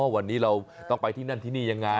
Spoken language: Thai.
วันนี้เราต้องไปที่นั่นที่นี่ยังไง